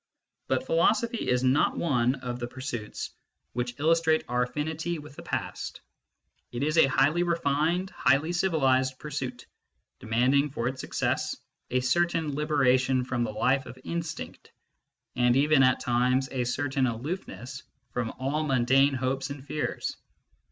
But philosophy is not one of the 18 MYSTICISM AND LOGIC pursuits which illustrate our affinity with the past : it ^ a highly refined, highly civilised pursuit, demanding, for its success, a certain liberation from the life of instinct, and even, at times, a certain aloofness from all mundane hopes and fears.